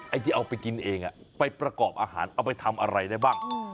ที่เอาไปกินเองไปประกอบอาหารเอาไปทำอะไรได้บ้าง